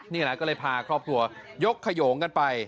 นี่แหละก็เลยพาครอบครัวยกขยงกันไป